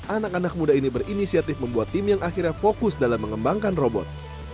anak anak muda ini berinisiatif membuat tim yang akhirnya fokus dalam mengembangkan robot